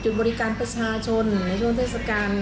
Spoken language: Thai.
ในช่วงเทศกาล